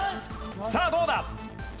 さあどうだ！